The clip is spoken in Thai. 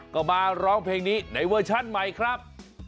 ก็มาร้องเพลงนี้ในเวอร์ชั่นใหม่ครับ